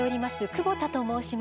久保田と申します。